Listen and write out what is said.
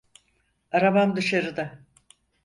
Arabam dışarıda.